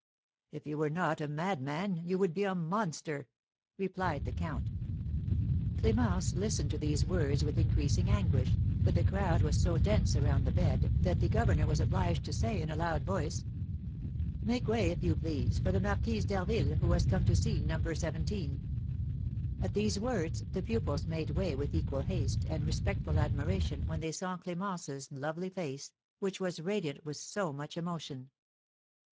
"If you were not a madman, you would be a monster!" replied the count. Clémence listened to these words with increasing anguish, but the crowd was so dense around the bed that the governor was obliged to say, in a loud voice: "Make way, if you please, for the Marquise d'Harville, who has come to see No. 17." At these words, the pupils made way with equal haste and respectful admiration when they saw Clémence's lovely face, which was radiant with so much emotion.